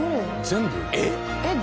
「全部？えっ？」